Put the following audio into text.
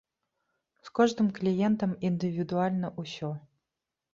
З кожным кліентам індывідуальна ўсё.